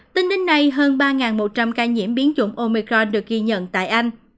tính đến nay hơn ba một trăm linh ca nhiễm biến chủng omicor được ghi nhận tại anh